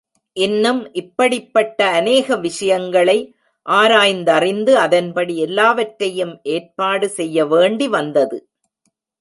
இன்னும் இப்படிப்பட்ட அநேக விஷயங்களை ஆராய்ந் தறிந்து அதன்படி எல்லாவற்றையும் ஏற்பாடு செய்ய வேண்டி வந்தது.